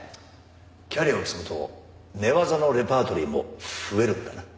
キャリアを積むと寝技のレパートリーも増えるんだな。